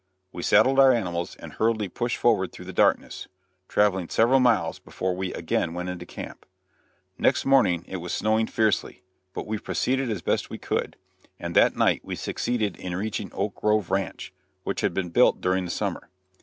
We saddled our animals and hurriedly pushed forward through the darkness, traveling several miles before we again went into camp. Next morning it was snowing fiercely, but we proceeded as best we could, and that night we succeeded in reaching Oak Grove ranch, which had been built during the summer.